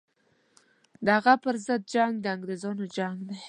د هغه پر ضد جنګ د انګرېزانو جنګ دی.